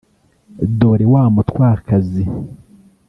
dore wa mutwakazi